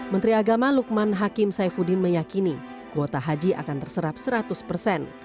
menteri agama lukman hakim saifuddin meyakini kuota haji akan terserap seratus persen